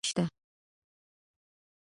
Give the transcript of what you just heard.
د الله پرته بل معبود نشته.